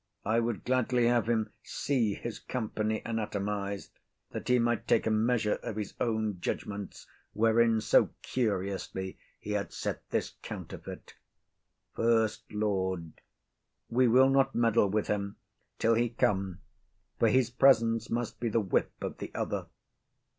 I would gladly have him see his company anatomized, that he might take a measure of his own judgments, wherein so curiously he had set this counterfeit. SECOND LORD. We will not meddle with him till he come; for his presence must be the whip of the other.